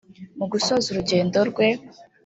Mu gusoza urugendo rwe